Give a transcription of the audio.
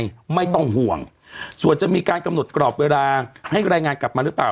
ไม่ต้องห่วงส่วนจะมีการกำหนดกรอบเวลาให้รายงานกลับมาหรือเปล่า